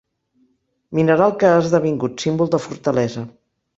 Mineral que ha esdevingut símbol de fortalesa.